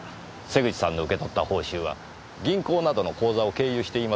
瀬口さんの受け取った報酬は銀行などの口座を経由していません。